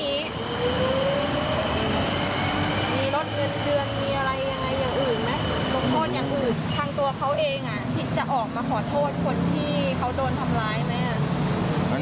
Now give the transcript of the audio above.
ที่จะออกมาขอโทษคนที่เขาโดนทำร้ายไหม